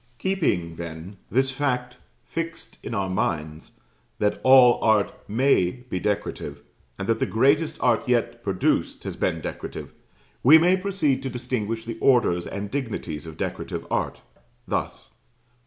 Keeping, then, this fact fixed in our minds, that all art may be decorative, and that the greatest art yet produced has been decorative, we may proceed to distinguish the orders and dignities of decorative art, thus: I.